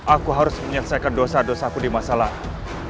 aku harus menyelesaikan dosa dosaku di masa lalu